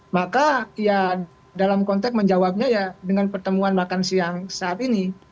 maka ya dalam konteks menjawabnya ya dengan pertemuan makan siang saat ini